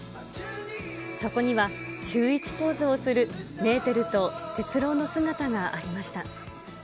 そこには、シューイチポーズをするメーテルと鉄郎の姿がありました。